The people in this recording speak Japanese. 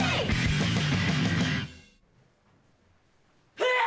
えっ！